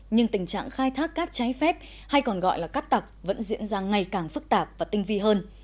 nhưng tình trạng khai thác cát trái phép hay còn gọi là cắt tặc vẫn diễn ra ngày càng phức tạp và tinh vi hơn